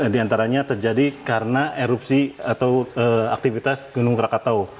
di antaranya terjadi karena erupsi atau aktivitas gunung krakatau